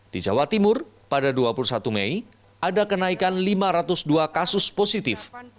di jawa timur pada dua puluh satu mei ada kenaikan lima ratus dua kasus positif